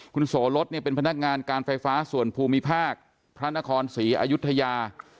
คุณโสรสเนี่ยเป็นพนักงานการไฟฟ้าส่วนภูมิภาคพระนครศรีอายุทยา